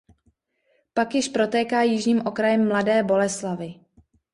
Pak již protéká jižním okrajem Mladé Boleslavi.